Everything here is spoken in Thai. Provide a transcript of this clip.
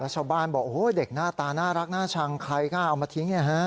แล้วชาวบ้านบอกโอ้โฮเด็กหน้าตาน่ารักหน้าชังใครค่ะเอามาทิ้งอย่างนี้